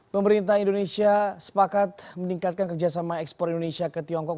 pemerintah indonesia sepakat meningkatkan kerjasama ekspor indonesia ke tiongkok